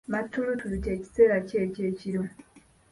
Matulutulu kye kiseera ki eky’ekiro?